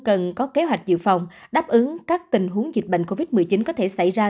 cần có kế hoạch dự phòng đáp ứng các tình huống dịch bệnh covid một mươi chín có thể xảy ra